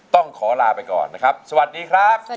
ต้องขอลาไปก่อนนะครับสวัสดีครับ